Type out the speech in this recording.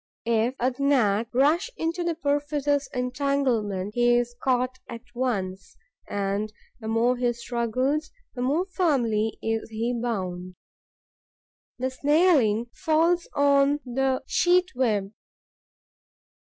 If a Gnat rush into the perfidious entanglement, he is caught at once; and the more he struggles the more firmly is he bound. The snareling falls on the sheet web.